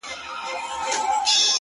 اوس عجيبه جهان كي ژوند كومه،